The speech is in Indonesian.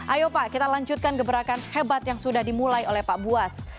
ayo pak kita lanjutkan gebrakan hebat yang sudah dimulai oleh pak buas